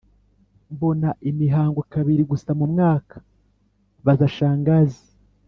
Mbona imihango kabiri gusa mu mwaka-Baza Shangazi